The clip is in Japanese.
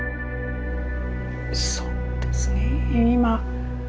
そうですね今。